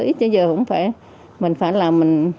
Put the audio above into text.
ít đến giờ cũng phải